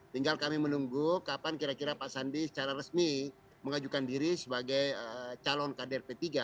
tinggal kami menunggu kapan kira kira pak sandi secara resmi mengajukan diri sebagai calon kader p tiga